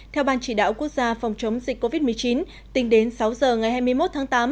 theo ban chỉ đạo quốc gia phòng chống dịch covid một mươi chín tính đến sáu giờ ngày hai mươi một tháng tám